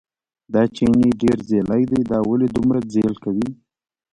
دا چیني ډېر ځېلی دی، دا ولې دومره ځېل کوي.